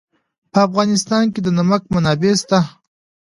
په افغانستان کې د نمک منابع شته.